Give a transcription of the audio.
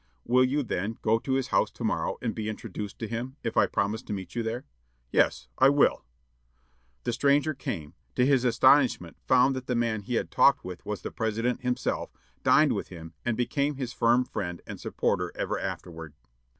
"Will you, then, go to his house to morrow, and be introduced to him, if I promise to meet you there?" "Yes, I will." The stranger came, to his astonishment found that the man he had talked with was the President himself, dined with him, and became his firm friend and supporter ever afterward.